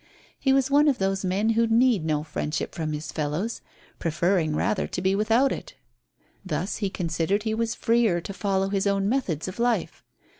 He was one of those men who need no friendship from his fellows, preferring rather to be without it. Thus he considered he was freer to follow his own methods of life.